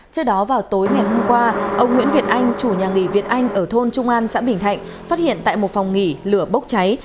trước đó vào tối ngày hôm qua ông nguyễn việt anh chủ nhà nghỉ việt anh ở thôn trung an xã bình thạnh phát hiện tại một phòng nghỉ lửa bốc cháy